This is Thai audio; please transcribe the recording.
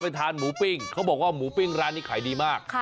ทานหมูปิ้งเขาบอกว่าหมูปิ้งร้านนี้ขายดีมาก